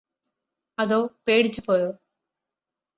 അതോ പേടിച്ചുപ്പോയോ